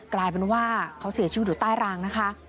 กลายเป็นว่าเขาเสียชีวิตอยู่ใต้รางนะคะ